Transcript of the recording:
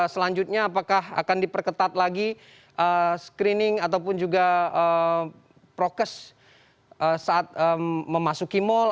selanjutnya apakah akan diperketat lagi screening ataupun juga prokes saat memasuki mal